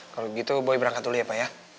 kalau begitu boy berangkat dulu ya pak ya